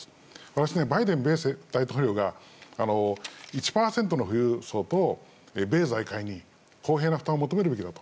私ね、バイデン大統領が１％の富裕層と米財界に公平な負担を求めるべきだと。